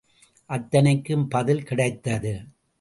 அத்தனைக்கும் பதில் கிடைத்தது.